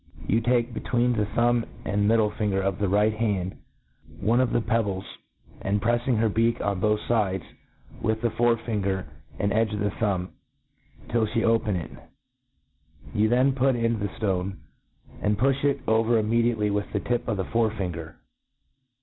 you take be tween the thumb and. ffiiddle finger of the right hand one of the pebbles, and, prefiing her beak qn both fides with the fore finger and edge of the thumb, till £be open it, you then put in the ilone, and puih it over immediately with the tip of the forc fingpr.